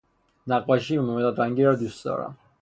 نقاشی با مداد رنگی را دوست دارم